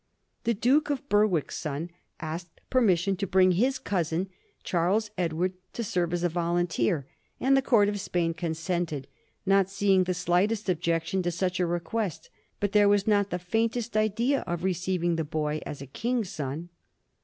The Duke of Berwick's son asked permission to bring his cousin Charles Edward to serve as a volunteer, and the Court of Spain consented, not seeing the slightest objection to such a request ; but there was not the faint est idea of receiving the boy as a king's son.